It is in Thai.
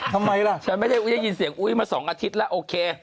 ทำไมล่ะฉันไม่ได้ยินเสียงอุ๊ยมา๒อาทิตย์แล้วโอเค